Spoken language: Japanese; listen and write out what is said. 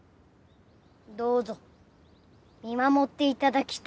どうぞ見守って頂きたい。